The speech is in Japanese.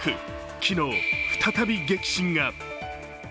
昨日、再び激震が。